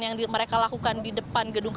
yang mereka lakukan di depan gedung kpk